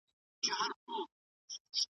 ملاجان ته پته نه وه چي د چا سي .